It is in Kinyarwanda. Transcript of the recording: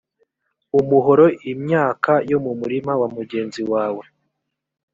umuhoro imyaka yo mu murima wa mugenzi wawe